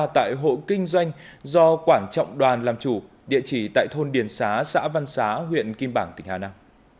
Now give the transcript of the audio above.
tại hộ kinh doanh do quản trọng đoàn làm chủ địa chỉ tại thôn điền xá xã văn xá huyện kim bảng tỉnh hà nam